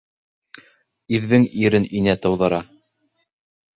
Ирҙең ирен инә тыуҙыра.